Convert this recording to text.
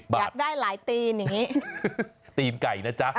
อยากได้หลายตีนอย่างนี้ตีนไก่นะจ๊ะ